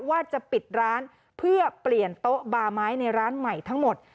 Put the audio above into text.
ว่าจะปิดร้านเพื่อเปลี่ยนโต๊ะบาไม้ในร้านใหม่ทั้งหมด